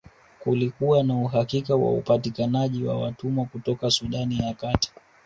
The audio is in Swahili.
Kulikuwa na uhakika wa upatikanaji wa watumwa kutoka Sudan ya Kati